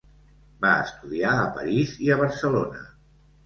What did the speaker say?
Va estudiar a París i a Barcelona.